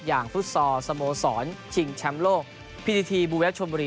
อย่างฟุตซอร์สโมสรชิงชัมโลพีทีทีบูแวปชมบุรี